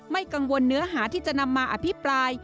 ไม่กังวลเนื้อหาที่จะนำมาอภิปราย